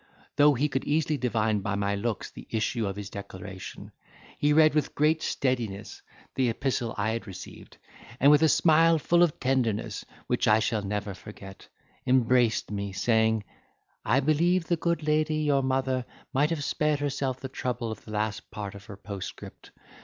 Though he could easily divine by my looks the issue of his declaration, he read with great steadiness the epistle I had received; and with a smile full of tenderness, which I shall never forget, embraced me, saying, "I believe the good lady your mother might have spared herself the trouble of the last part of her postscript.